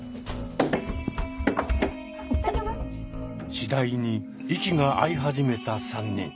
次第に息が合い始めた３人。